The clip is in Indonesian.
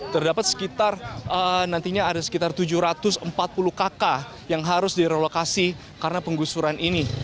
terdapat sekitar nantinya ada sekitar tujuh ratus empat puluh kakak yang harus direlokasi karena penggusuran ini